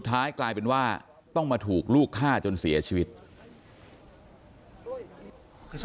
ตอนนั้นเขาก็เลยรีบวิ่งออกมาดูตอนนั้นเขาก็เลยรีบวิ่งออกมาดู